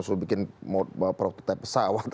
suruh bikin prototipe pesawat